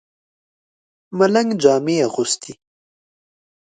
ملنګ جامې اغوستې.